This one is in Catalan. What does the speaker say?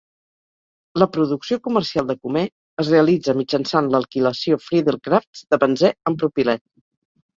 La producció comercial de cumè es realitza mitjançant l'alquilació Friedel-Crafts de benzè amb propilè.